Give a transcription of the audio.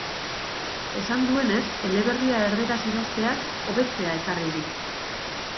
Esan duenez, eleberria erderaz idazteak, hobetzea ekarri du.